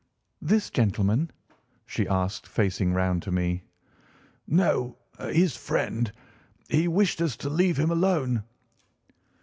"This gentleman?" she asked, facing round to me. "No, his friend. He wished us to leave him alone.